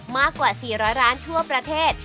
มากกว่า๔๐๐ร้านทั่วประเทศ